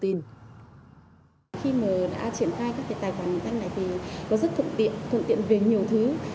thì nó rất thuận tiện thuận tiện về nhiều thứ